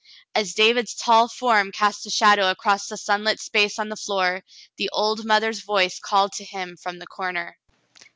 As David's tall form cast a shadow across the sunlit space on the floor, the old mother's voice called to him from the corner.